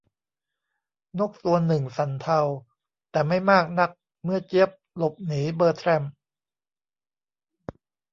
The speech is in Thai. นกตัวหนึ่งสั่นเทา แต่ไม่มากนักเมื่อเจี๊ยบหลบหนีเบอร์แทรม